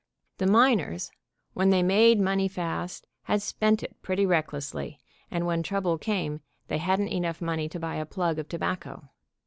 The miners, when they made money fast, had spent it pretty recklessly, and when trouble came they hadn't enough money to buy a plug of tobacco.